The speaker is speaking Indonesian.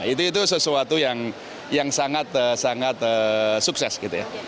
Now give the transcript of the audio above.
itu sesuatu yang sangat sangat sukses gitu ya